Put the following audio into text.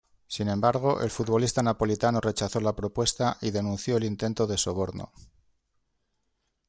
Sin embargo, el futbolista napolitano rechazó la propuesta y denunció el intento de soborno.